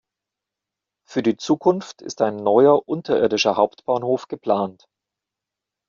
Für die Zukunft ist ein neuer unterirdischer Hauptbahnhof geplant.